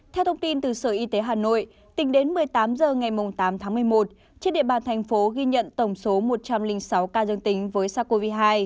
theo thông tin từ sở y tế hà nội tính đến một mươi tám h ngày tám tháng một mươi một trên địa bàn thành phố ghi nhận tổng số một trăm linh sáu ca dương tính với sars cov hai